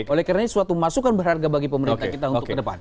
oleh karena ini suatu masukan berharga bagi pemerintah kita untuk ke depan